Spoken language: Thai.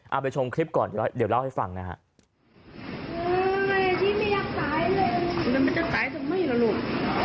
เอาไปชมคลิปก่อนเดี๋ยวเล่าให้ฟังนะฮะ